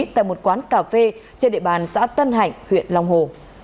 tại một quán cà phê trên địa bàn xã tân hạnh huyện long hồ